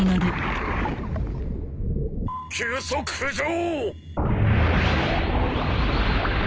急速浮上！